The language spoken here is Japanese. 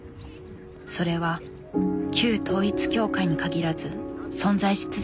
それは旧統一教会に限らず存在し続けていた。